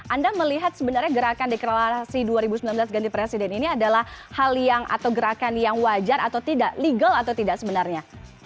anda melihat sebenarnya gerakan deklarasi dua ribu sembilan belas ganti presiden ini adalah hal yang atau gerakan yang wajar atau tidak legal atau tidak sebenarnya